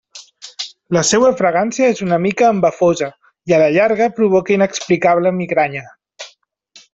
La seua fragància és una mica embafosa, i a la llarga provoca inexplicable migranya.